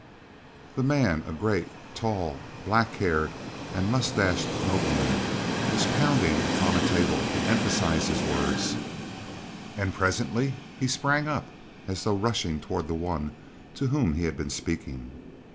The man, a great, tall, black haired and mustached nobleman, was pounding upon a table to emphasize his words, and presently he sprang up as though rushing toward the one to whom he had been speaking.